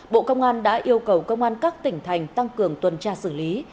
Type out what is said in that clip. bộ công an đã yêu cầu công an các tỉnh thành tăng cường tuần tra xử lý